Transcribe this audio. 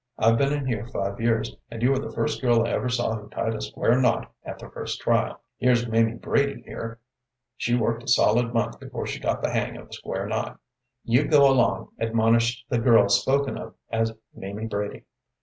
"I've been in here five years, and you are the first girl I ever saw who tied a square knot at the first trial. Here's Mamie Brady here, she worked a solid month before she got the hang of the square knot." "You go along," admonished the girl spoken of as "Mamie Brady."